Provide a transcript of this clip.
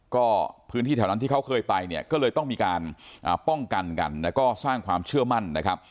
ก็พื้นที่แถวนั้นที่เขาเคยไปเนี่ยก็เลยต้องมีการป้องกันกันแล้วก็สร้างความเชื่อมั่นนะครับ